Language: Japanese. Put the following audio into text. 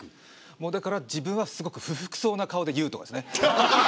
もうだから自分はすごく不服そうな顔で言うとかですね。